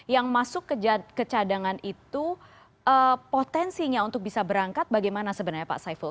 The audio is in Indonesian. yang masuk ke cadangan itu potensinya untuk bisa berangkat bagaimana sebenarnya pak saiful